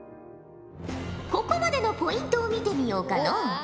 ここまでのポイントを見てみようかのう。